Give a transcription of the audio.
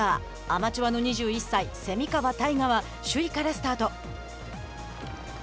アマチュアの２１歳蝉川泰果は首位からスタート。